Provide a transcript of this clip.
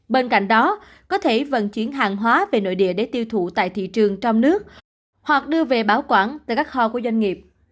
bên cạnh đó có thể vận chuyển hàng hóa về nội địa để tiêu thụ tại thị trường trong nước hoặc đưa về bảo quản tại các kho của doanh nghiệp